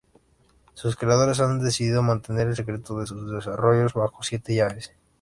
Sus creadores han decidido mantener el secreto de su desarrollo bajo siete llaves.